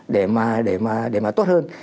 để mà tốt hơn